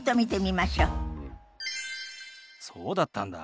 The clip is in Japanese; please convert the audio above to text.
そうだったんだ。